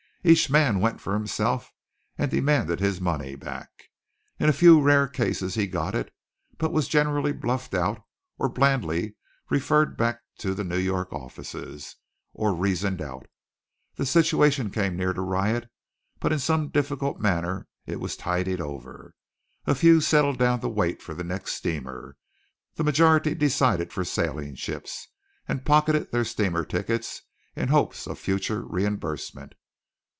Each man went for himself and demanded his money back. In a few rare cases he got it; but was generally bluffed out, or blandly referred back to the New York offices, or reasoned out. The situation came near to riot, but in some difficult manner it was tided over. A few settled down to wait for the next steamer. The majority decided for sailing ships, and pocketed their steamer tickets in hopes of future reimbursement.